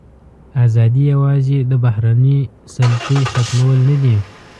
ازادي یوازې د بهرنۍ سلطې ختمول نه دي.